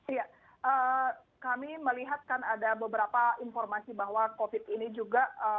iya kami melihat kan ada beberapa informasi bahwa covid ini juga